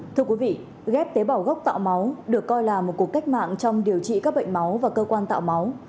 thưa quý vị ghép tế bào gốc tạo máu được coi là một cuộc cách mạng trong điều trị các bệnh máu và cơ quan tạo máu